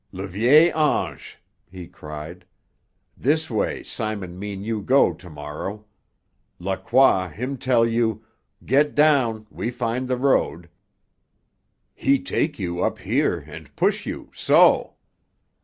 "Le Vieil Ange!" he cried. "This way Simon mean you to go to morrow. Lacroix him tell you: 'Get down, we find the road.' He take you up here and push you so."